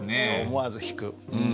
思わず引く。